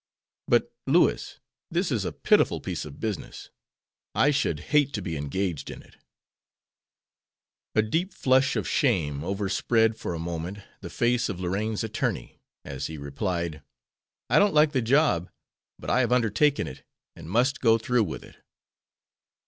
"But, Louis, this is a pitiful piece of business. I should hate to be engaged in it." A deep flush of shame overspread for a moment the face of Lorraine's attorney, as he replied: "I don't like the job, but I have undertaken it, and must go through with it."